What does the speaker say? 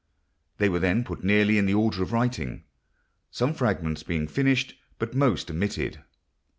They were then put nearly in the order of writing, some fragments being finished but most omitted.